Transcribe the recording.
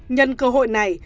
nhân cơ hội này